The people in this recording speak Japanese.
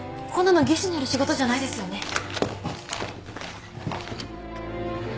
こんなの技師のやる仕事じゃないですよね。